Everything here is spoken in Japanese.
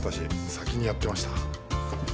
先にやってました。